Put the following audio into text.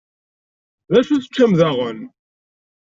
D acu teččamt daɣen?